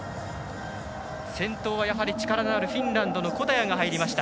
先頭はやはり力のあるフィンランドのコタヤが入りました。